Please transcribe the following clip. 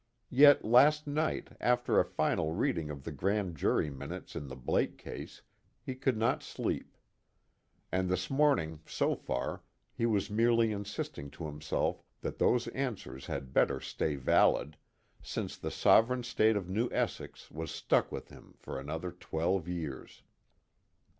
Yet last night, after a final reading of the grand jury minutes in the Blake case, he could not sleep. And this morning, so far, he was merely insisting to himself that those answers had better stay valid, since the sovereign state of New Essex was stuck with him for another twelve years.